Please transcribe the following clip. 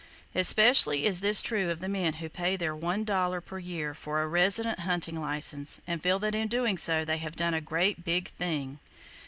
Especially is this true of the men who pay their one dollar per year for a resident hunting license, and feel that in doing so they have done a great Big Thing!